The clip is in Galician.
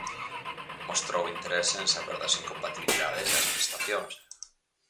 Mostrou interese en saber das incompatibilidades e as prestacións.